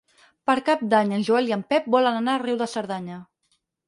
Per Cap d'Any en Joel i en Pep volen anar a Riu de Cerdanya.